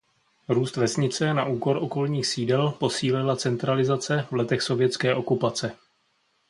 Růst vesnice na úkor okolních sídel posílila centralizace v letech sovětské okupace.